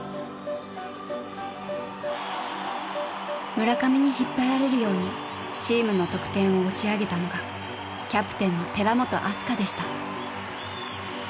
村上に引っ張られるようにチームの得点を押し上げたのがキャプテンの寺本明日香でした。